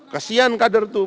kesian kader itu